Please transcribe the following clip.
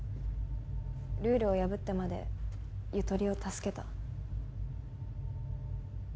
ルールを破ってまでゆとりを助けた。